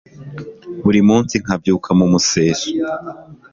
buri munsi nkabyuka mu museso